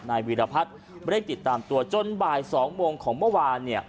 นายวิรพัฒน์ไม่ได้ติดตามตัวจนบ่ายสองโมงของเมื่อวานเนี่ย